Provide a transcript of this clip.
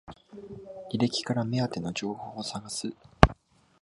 履歴から目当ての情報を探す